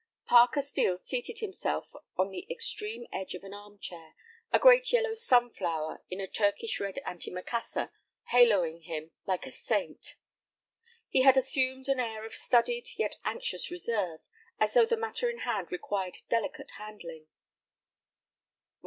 Parker Steel seated himself on the extreme edge of an arm chair, a great yellow sunflower in a Turkish red antimacassar haloing him like a saint. He had assumed an air of studied yet anxious reserve, as though the matter in hand required delicate handling.